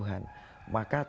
khalaf rat comparata